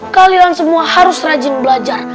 kalian semua harus rajin belajar